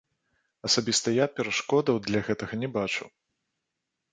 Асабіста я перашкодаў для гэтага не бачу.